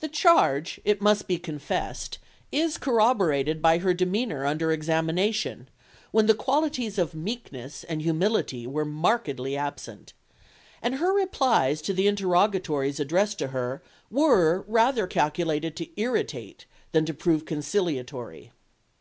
The charge, it must be confessed, is corroborated by her demeanour under examination, when the qualities of meekness and humility were markedly absent, and her replies to the interrogatories addressed to her were rather calculated to irritate than to prove conciliatory.